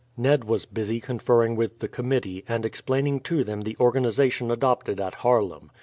Ned was busy conferring with the committee, and explaining to them the organization adopted at Haarlem.